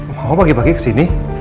mau pagi pagi kesini